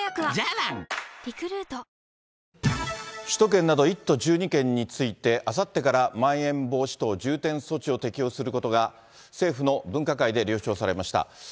首都圏など１都１２県について、あさってからまん延防止等重点措置を適用することが政府の分科会で了承されました。